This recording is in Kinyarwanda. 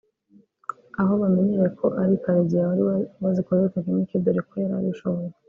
aho bamenyeye ko ari Karegeya wari wazikozeho technique dore ko yarabishoboye